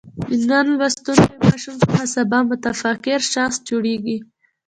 د نن لوستونکی ماشوم څخه سبا متفکر شخص جوړېږي.